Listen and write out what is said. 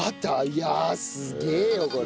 いやあすげえよこれ。